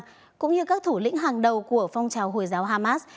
icc đã đề nghị bắt giữ các thủ lĩnh hàng đầu của phong trào hồi giáo hamas